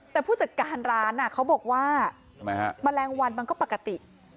แต่ผู้จัดการร้านเขาบอกว่าแมลงวันมันก็ปกติ